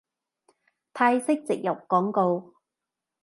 泰式植入廣告